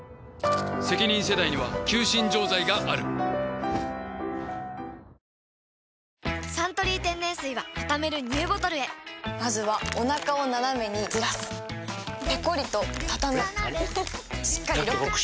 イライラには緑の漢方セラピー「サントリー天然水」はたためるＮＥＷボトルへまずはおなかをナナメにずらすペコリ！とたたむしっかりロック！